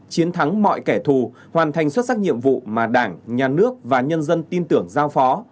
chiến thắng mọi kẻ thù hoàn thành xuất sắc nhiệm vụ mà đảng nhà nước và nhân dân tin tưởng giao phó